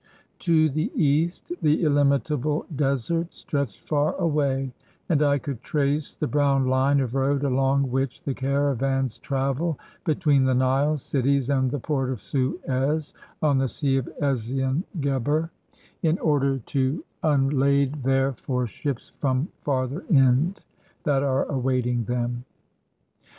To the east the illimitable desert stretched far away, and I could trace the brown line of road along which the caravans travel between the Nile cities and the port of Suez, on the sea of Ezion Geber, in order to un 130 IN THE BRICK FIELDS lade there for ships from Farther Ind that are awaiting them.